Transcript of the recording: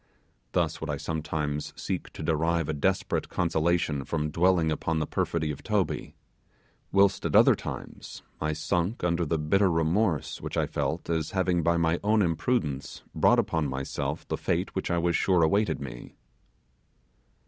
Thus would I sometimes seek to derive a desperate consolation from dwelling upon the perfidity of Toby: whilst at other times I sunk under the bitter remorse which I felt as having by my own imprudence brought upon myself the fate which I was sure awaited me.